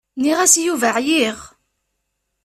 Nniɣ-as i Yuba εyiɣ.